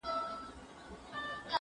زه کولای سم مکتب ته لاړ شم؟